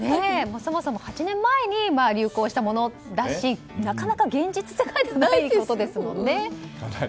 そもそも８年前に流行したものだしなかなか現実世界でないことですもんね。